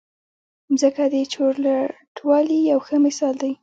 مځکه د چورلټوالي یو ښه مثال دی.